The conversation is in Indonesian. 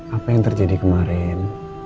apa yang terjadi kemarin